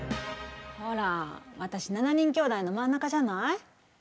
ほら私７人きょうだいの真ん中じゃない？